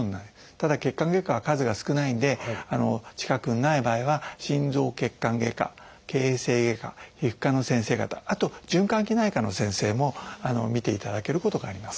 ただ血管外科は数が少ないんで近くにない場合は心臓血管外科形成外科皮膚科の先生方あと循環器内科の先生も診ていただけることがあります。